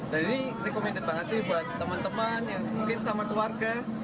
dan ini rekomendasi banget sih buat teman teman mungkin sama keluarga